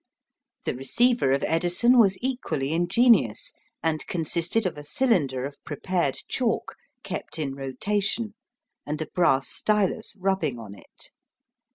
The receiver of Edison was equally ingenious, and consisted of a cylinder of prepared chalk kept in rotation and a brass stylus rubbing on it.